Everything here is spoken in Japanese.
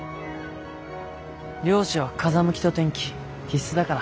漁師は風向きと天気必須だから。